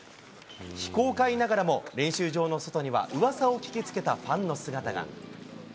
非公開ながらも、練習場の外にはうわさを聞きつけたファンの姿が。